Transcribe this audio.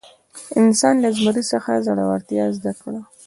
انسان له زمري څخه زړورتیا زده کړه.